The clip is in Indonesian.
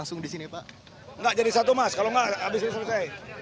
tunggu lamanya uma lama